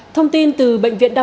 thông tin từ bệnh viện đọc